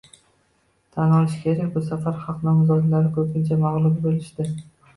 Tan olish kerak, bu safar xalq nomzodlari ko'pincha mag'lub bo'lishdi